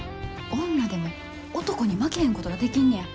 女でも男に負けへんことができんねや。